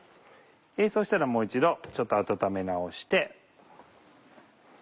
そしたらもう一度ちょっと温め直して。